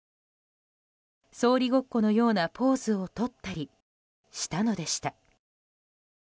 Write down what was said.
総理ごっこのようなポーズを取ったりしたのでした。